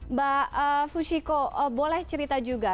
mbak fushiko boleh cerita juga